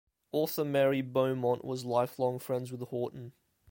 Author Mary Beaumont was lifelong friends with Horton.